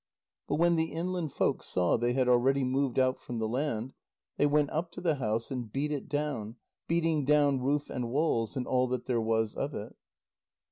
But when the inland folk saw they had already moved out from the land, they went up to the house and beat it down, beating down roof and walls and all that there was of it.